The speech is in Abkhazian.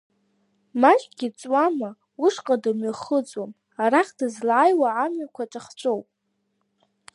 Маҷгьы ҵуама, ушҟа дымҩахыҵуам, арахь дызлааиуа амҩақәа ҿахҵәоуп.